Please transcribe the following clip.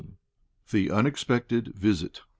THE UNEXPECTED VISIT.